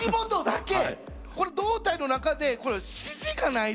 これ胴体の中でこれ指示がないと困る。